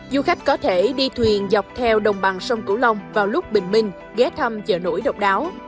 du khách có thể đi thuyền dọc theo đồng bằng sông cửu long vào lúc bình minh ghé thăm chợ nổi độc đáo